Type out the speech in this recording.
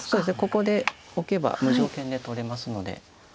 ここでオケば無条件で取れますので。